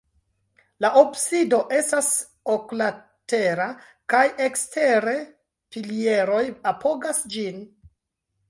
La absido estas oklatera kaj ekstere pilieroj apogas ĝin.